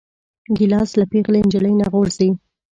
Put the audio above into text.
ګیلاس له پېغلې نجلۍ نه غورځي.